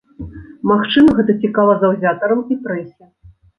Магчыма, гэта цікава заўзятарам і прэсе.